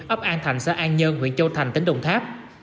ấp an thành xã an nhơn huyện châu thành tỉnh đồng tháp